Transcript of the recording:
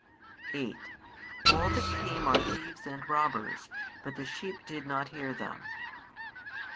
8 All that came are thieves and robbers: but the sheep did not hear them.